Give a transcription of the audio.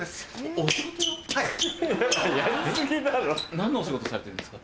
何のお仕事されてるんですか？